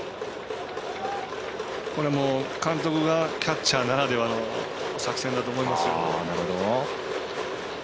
監督がキャッチャーならではの作戦だと思いますよ。